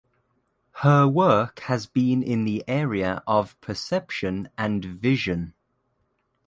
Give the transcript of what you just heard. Her work has been in the area of perception and vision.